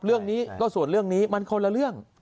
เรื่องนี้ก็ส่วนเรื่องนี้มันคนละเรื่อง